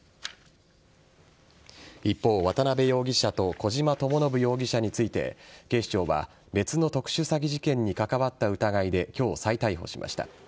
一方、渡辺容疑者と小島智信容疑者について警視庁は別の特殊詐欺事件に関わった疑いで今日、再逮捕しました。